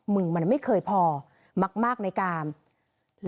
มึงมันไม่เคยพอมักมากในกลาง